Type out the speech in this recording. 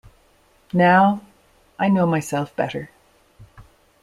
Now, I know myself better.